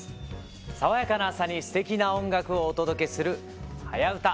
爽やかな朝にすてきな音楽をお届けする「はやウタ」。